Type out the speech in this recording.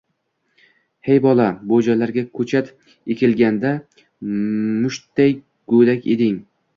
– Hey, bola, bu joylarga koʻchat ekilganda, mushtday goʻdak eding.